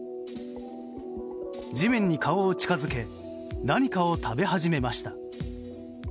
地面に顔を近づけ何かを食べ始めました。